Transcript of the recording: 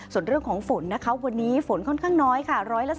ส่วนเรื่องของฝนนะคะวันนี้ฝนค่อนข้างน้อยค่ะ